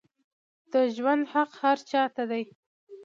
د ژوند حق هر چا ته دی